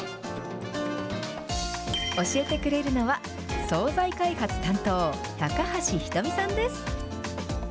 教えてくれるのは、総菜開発担当、高橋瞳さんです。